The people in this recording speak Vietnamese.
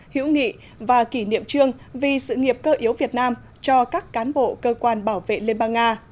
hữu nghị và kỷ niệm trương vì sự nghiệp cơ yếu việt nam cho các cán bộ cơ quan bảo vệ liên bang nga